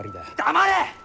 黙れ！